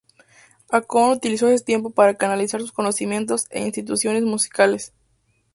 Akon utilizó ese tiempo para canalizar sus conocimientos e intuiciones musicales.